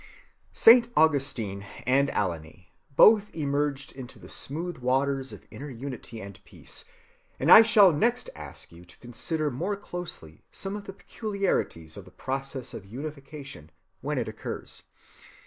Saint Augustine and Alline both emerged into the smooth waters of inner unity and peace, and I shall next ask you to consider more closely some of the peculiarities of the process of unification, when it occurs.